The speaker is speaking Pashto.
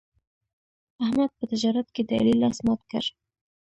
احمد په تجارت کې د علي لاس مات کړ.